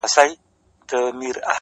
زه چي د شپې خوب كي ږغېږمه دا،